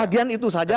bagian itu saja